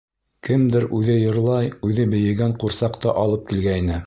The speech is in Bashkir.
Кемдер үҙе йырлай, үҙе бейегән ҡурсаҡ та алып килгәйне.